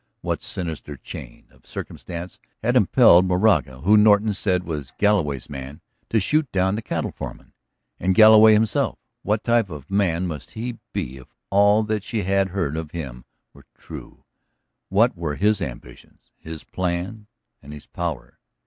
What sinister chain of circumstance had impelled Moraga, who Norton said was Galloway's man, to shoot down the cattle foreman? And Galloway himself, what type of man must he be if all that she had heard of him were true; what were his ambitions, his plans, his power?